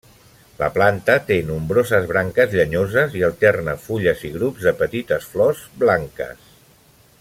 La planta té nombroses branques llenyoses i alterna fulles i grups de petites flors blanques.